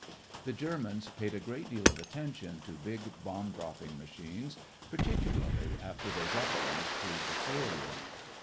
The Germans paid a great deal of attention to big bomb dropping machines, particularly after their Zeppelins proved a failure.